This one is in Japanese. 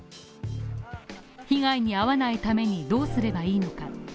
被害に遭わないためにどうすればいいのか。